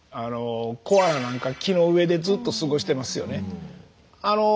コアラなんか木の上でずっと過ごしてますよね。